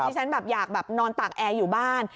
ฉันอยากนอนตากแอร์อยู่บ้าน